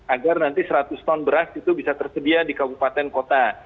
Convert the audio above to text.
agar nanti seratus ton beras itu bisa tersedia di kabupaten kota